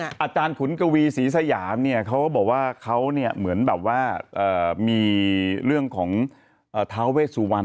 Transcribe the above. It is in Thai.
อาจารย์ขุนกวีศรีสยามเนี่ยเขาก็บอกว่าเขาเนี่ยเหมือนแบบว่ามีเรื่องของท้าเวสุวรรณ